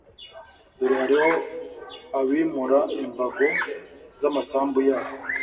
dore hariho abimura imbago z'amasambu yabo